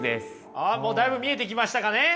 ああもうだいぶ見えてきましたかね。